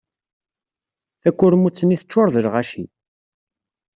Takurmut-nni teččuṛ d lɣaci.